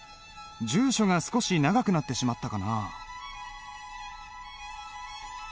住所が少し長くなってしまったかな？